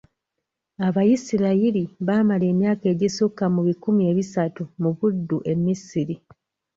Abayisirayiri baamala emyaka egisukka mu bikumi ebisatu mu buddu e Misiri.